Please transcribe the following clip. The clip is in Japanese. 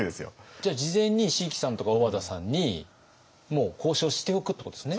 じゃあ事前に椎木さんとか小和田さんにもう交渉しておくってことですね。